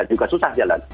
juga susah jalan